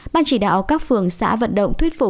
bàn chỉ đạo các phường xã vận động